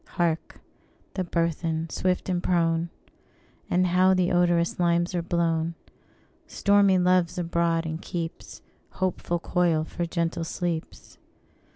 Hark! the burthen, swift and prone! And how the odorous limes are blown! Stormy Love's abroad, and keeps Hopeful coil for gentle sleeps.